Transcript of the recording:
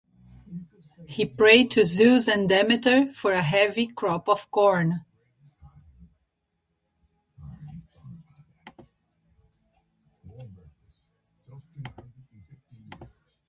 He prayed to Zeus and Demeter for a heavy crop of corn.